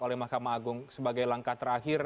oleh mahkamah agung sebagai langkah terakhir